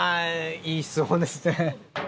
いい質問ですね。